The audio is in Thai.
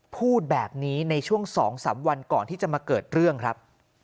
พูดแบบนี้ในช่วง๒๓วันก่อนที่จะมาเกิดเรื่องครับ